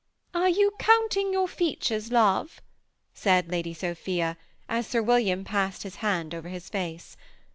" Are you counting your features, love ?" said Lady Sophia, as Sir William passed his hand over his face.